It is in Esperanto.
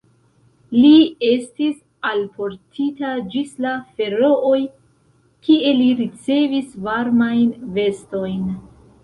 Li estis alportita ĝis la Ferooj kie li ricevis varmajn vestojn.